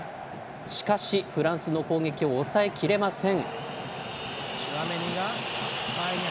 しかし、フランスの攻撃を抑えきれません。